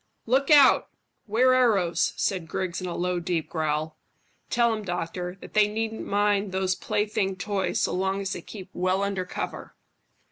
"Look out! 'Ware arrows," said Griggs, in a low, deep growl. "Tell 'em, doctor, that they needn't mind those plaything toys so long as they keep well under cover."